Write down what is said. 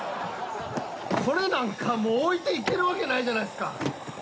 これなんか置いていけるわけないじゃないすか。